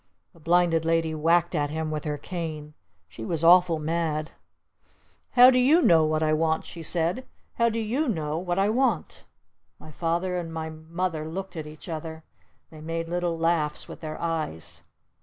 The Blinded Lady whacked at him with her cane. She was awful mad. "How do you know what I want?" she said. "How do you know what I want?" My Father and my Mother looked at each other. They made little laughs with their eyes.